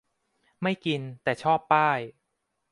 ไม่กิน แต่ชอบป้าย